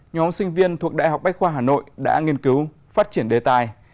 nhóm sinh viên thuộc đại học bách khoa hà nội đã nghiên cứu phát triển đề tài